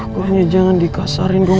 kau hanya jangan dikasariin dong